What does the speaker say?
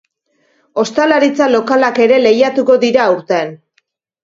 Ostalaritza lokalak ere lehiatuko dira aurten.